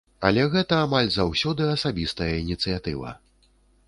Але гэта амаль заўсёды асабістая ініцыятыва.